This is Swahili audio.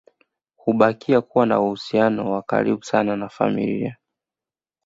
Hubakia kuwa na uhusiano wa karibu sana na familia